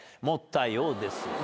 持ったようです。